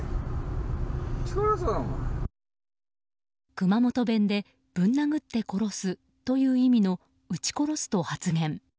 熊本弁でぶん殴って殺すという意味のうち殺すと発言。